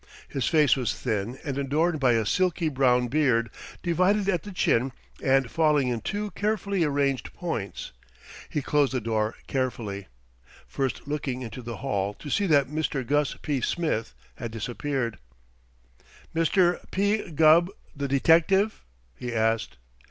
His face was thin and adorned by a silky brown beard, divided at the chin and falling in two carefully arranged points. He closed the door carefully, first looking into the hall to see that Mr. Gus P. Smith had disappeared. "Mr. P. Gubb, the detective?" he asked.